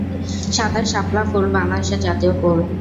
সাদা শাপলা ফুল বাংলাদেশের জাতীয় ফুল।